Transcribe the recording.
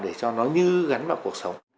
để cho nó như gắn vào cuộc sống